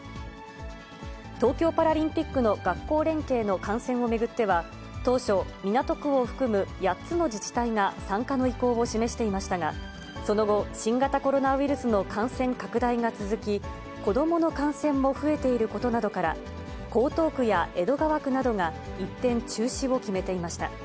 東京パラリンピックの学校連携の観戦を巡っては、当初、港区を含む８つの自治体が参加の意向を示していましたが、その後、新型コロナウイルスの感染拡大が続き、子どもの感染も増えていることなどから、江東区や江戸川区などが一転、中止を決めていました。